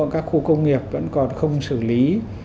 các khu công nghiệp vẫn còn không xử lý